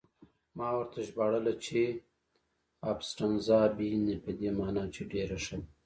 ما ورته ژباړله چې: 'Abbastanza bene' په دې مانا چې ډېره ښه ده.